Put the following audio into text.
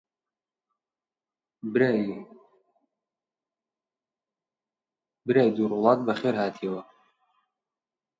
برای دوور وڵات بەخێر هاتیەوە!